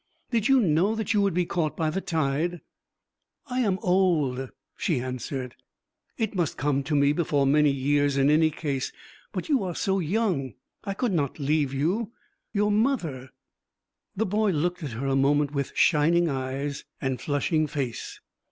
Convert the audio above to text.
Did you know that you would be caught by the tide?' 'I am old,' she answered; 'it must come to me before many years in any case. But you are so young. I could not leave you. Your mother ' The boy looked at her a moment with shining eyes and flushing face.